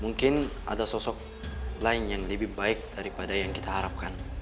mungkin ada sosok lain yang lebih baik daripada yang kita harapkan